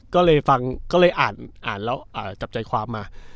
ก็เลยฟังก็เลยอ่านแล้วจับใจความมา